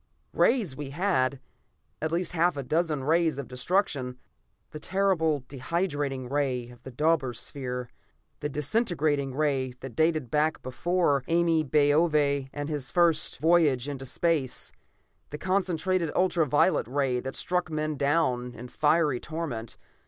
Rays we had; at least half a dozen rays of destruction; the terrible dehydrating ray of the Deuber Spheres, the disintegrating ray that dated back before Ame Baove and his first voyage into space, the concentrated ultra violet ray that struck men down in fiery torment....